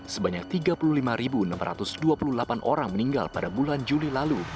sebanyak tiga puluh lima enam ratus dua puluh delapan orang meninggal pada bulan juli lalu